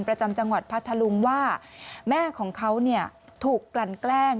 ประจำจังหวัดพัทธลุงว่าแม่ของเขาถูกกลั่นแกล้ง